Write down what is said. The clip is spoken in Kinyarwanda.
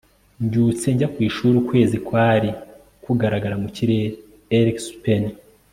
mbyutse njya ku ishuri, ukwezi kwari kugaragara mu kirere. (erikspen